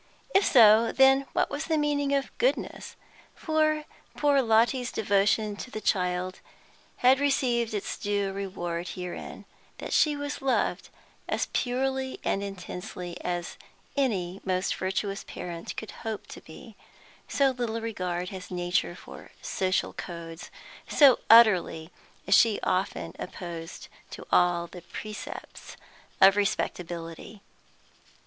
If so, then what was the meaning of goodness? For poor Lotty's devotion to the child had received its due reward herein, that she was loved as purely and intensely as any most virtuous parent could hope to be; so little regard has nature for social codes, so utterly is she often opposed to all the precepts of respectability.